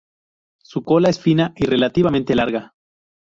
Su cola es fina y relativamente larga.